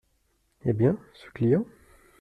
Eh bien, ce client ?